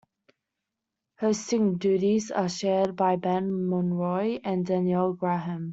Hosting duties are shared by Ben Mulroney and Danielle Graham.